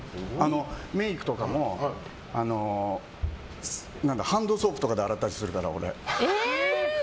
メイクとかもハンドソープとかで洗ったりするから、俺。